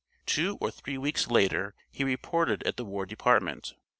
Two or three weeks later he reported at the War Department.